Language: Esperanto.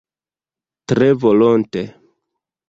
Tre volonte!